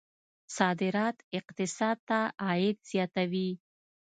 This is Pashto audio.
صادرات اقتصاد ته عاید زیاتوي.